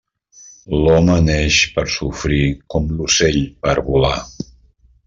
L'home neix per sofrir, com l'ocell per volar.